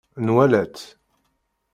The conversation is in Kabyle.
Nwala-tt.